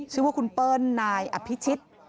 ชื่อว่าคุณเปิ้ลนายอภิชิต